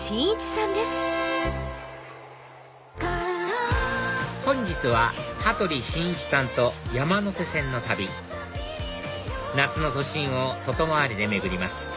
はい本日は羽鳥慎一さんと山手線の旅夏の都心を外回りで巡ります